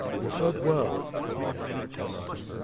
...'' "You said well!'' remarked the lieutenant.